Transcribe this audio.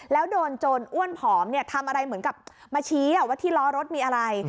แล้วโดนโจรอ้วนผอมทำอะไรเหมือนกับมาชี้ว่าที่ล้อรถมีอะไร